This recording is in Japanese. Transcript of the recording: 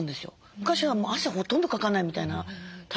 昔は汗ほとんどかかないみたいなタイプが。